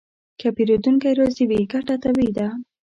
که پیرودونکی راضي وي، ګټه طبیعي ده.